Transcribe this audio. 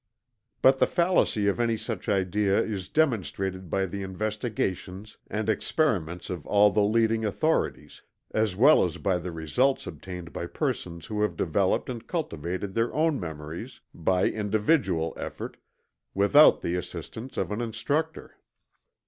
But the fallacy of any such idea is demonstrated by the investigations and experiments of all the leading authorities, as well as by the results obtained by persons who have developed and cultivated their own memories by individual effort without the assistance of an instructor.